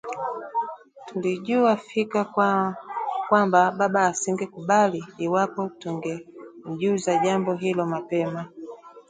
Tulijua fika kwamba baba asingekubali iwapo tungemjuza jambo hilo mapema